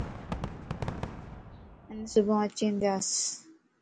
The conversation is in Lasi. آن صبان اچيندياس